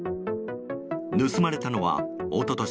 盗まれたのは一昨年